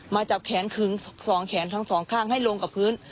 มาจับแขนขึง๒แขนทั้งสองข้างให้ลงกับพื้น